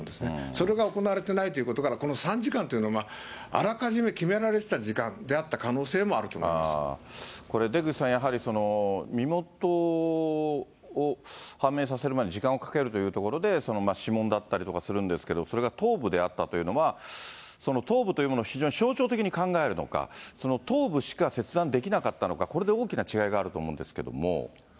それが行われてないということから、この３時間というのはあらかじめ決められていた時間であった可能これ、出口さん、やはり身元を判明させるまでに時間をかけるというところで、指紋だったりとかするんですけれども、それが頭部であったというのは、頭部というものを非常に象徴的に考えるのか、頭部しか切断できなかったのか、これで大きな違いがあると思うんですけど。